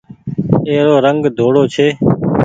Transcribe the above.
اي رو رنگ ڌوڙو ڇي۔